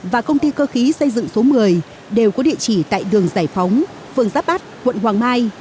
và công ty cơ khí xây dựng số một mươi đều có địa chỉ tại đường giải phóng phường giáp bát quận hoàng mai